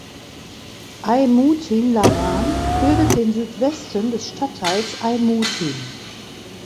Aimutin Laran bildet den Südwesten des Stadtteils Aimutin.